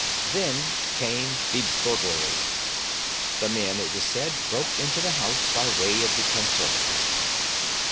Then came the burglary. The men, it was said, broke into the house by way of the conservatory.